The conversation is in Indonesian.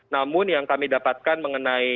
namun yang kami dapatkan mengenai